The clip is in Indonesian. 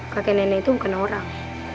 kakek nenek itu bukan orang